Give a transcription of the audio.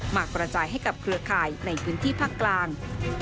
มากระจายให้กับเครือข่ายในพื้นที่ภาคกลาง